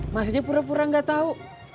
masih pura pura gak tahu